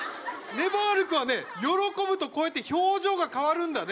ねばる君はね喜ぶとこうやって表情が変わるんだね。